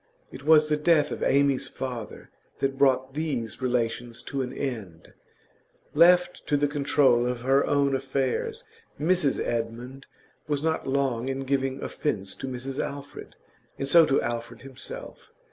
It was the death of Amy's father that brought these relations to an end; left to the control of her own affairs Mrs Edmund was not long in giving offence to Mrs Alfred, and so to Alfred himself.